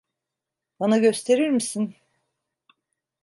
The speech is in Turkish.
Bana gösterir misin?